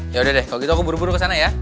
yaudah deh kalau gitu aku buru buru kesana ya